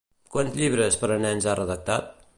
Quants llibres per a nens ha redactat?